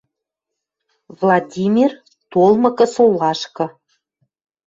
Владимир, толмыкы солашкы.